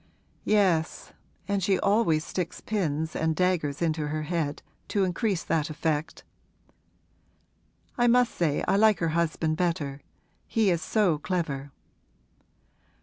'Yes, and she always sticks pins and daggers into her head, to increase that effect. I must say I like her husband better: he is so clever.'